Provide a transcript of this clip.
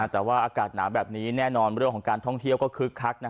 แต่ว่าอากาศหนาวแบบนี้แน่นอนเรื่องของการท่องเที่ยวก็คึกคัก